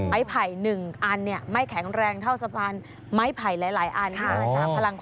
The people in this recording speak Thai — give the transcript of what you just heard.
ไผ่๑อันเนี่ยไม่แข็งแรงเท่าสะพานไม้ไผ่หลายอัน